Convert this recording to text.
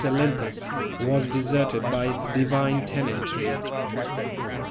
Olympus was deserted by its divine tenantry.